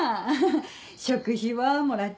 食費はもらっ